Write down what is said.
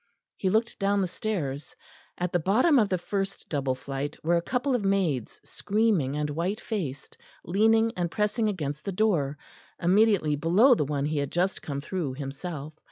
He looked down the stairs; at the bottom of the first double flight were a couple of maids, screaming and white faced, leaning and pressing against the door, immediately below the one he had just come through himself.